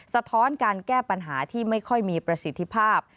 สะท้อนการแก้ปัญหาที่ไม่ค่อยมีประสิทธิภาพ